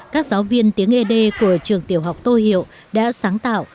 các giáo viên tiếng ấy đê của trường tiểu học tô hiệu đã sáng tạo